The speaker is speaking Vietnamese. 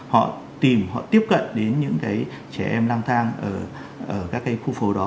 họ tìm họ tiếp cận đến những cái trẻ em lang thang ở các cái khu phố đó